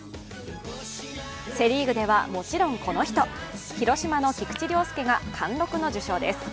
セ・リーグではもちろんこの人広島の菊池涼介が貫禄の受賞です。